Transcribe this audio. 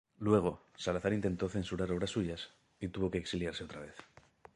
Luego, Salazar intentó censurar obras suyas, y tuvo que exiliarse otra vez.